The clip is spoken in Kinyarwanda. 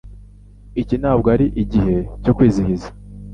Iki ntabwo arigihe cyo kwizihiza.